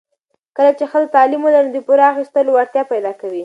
کله چې ښځه تعلیم ولري، نو د پور اخیستو وړتیا پیدا کوي.